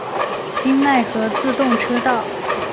京奈和自动车道。